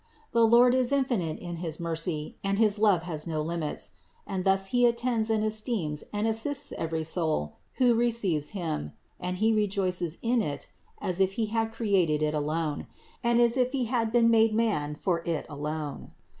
The Lord is infinite in his mercy and his love has no limit, and thus He at tends and esteems and assists every soul who receives Him, and He rejoices in it, as if He had created it alone, and as if He had been made man for it alone.